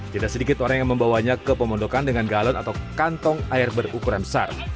tidak sedikit orang yang membawanya ke pemondokan dengan galon atau kantong air berukuran besar